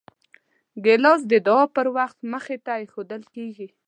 ګیلاس د دعاو پر وخت مخې ته ایښودل کېږي.